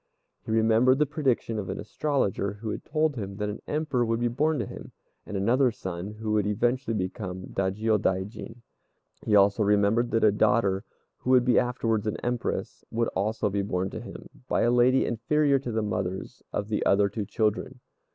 He remembered the prediction of an astrologer who had told him that an Emperor would be born to him, and another son who would eventually become a Dajiôdaijin. He also remembered that a daughter, who would be afterwards an Empress, would be also born to him, by a lady inferior to the mothers of the other two children.